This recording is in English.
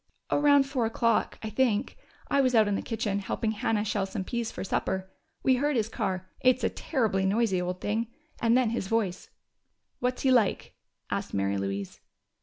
"Around four o'clock, I think. I was out in the kitchen, helping Hannah shell some peas for supper. We heard his car it's a terribly noisy old thing and then his voice." "What's he like?" asked Mary Louise.